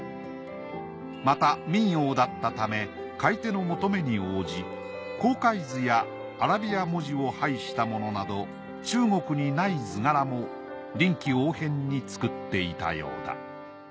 また民窯だったため買い手の求めに応じ航海図やアラビア文字を配したものなど中国にない図柄も臨機応変に作っていたようだ。